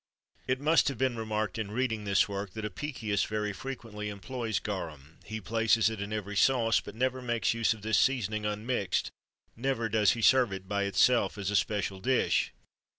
It must have been remarked in reading this work, that Apicius very frequently employs garum; he places it in every sauce, but never makes use of this seasoning unmixed, never does he serve it by itself as a special dish.